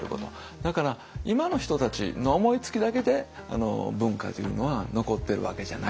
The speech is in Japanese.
だから今の人たちの思いつきだけで文化というのは残ってるわけじゃないということ。